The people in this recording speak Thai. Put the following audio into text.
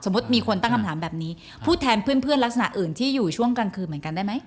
มีคนตั้งคำถามแบบนี้พูดแทนเพื่อนลักษณะอื่นที่อยู่ช่วงกลางคืนเหมือนกันได้ไหม